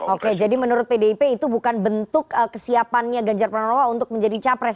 oke jadi menurut pdip itu bukan bentuk kesiapannya ganjar pranowo untuk menjadi capres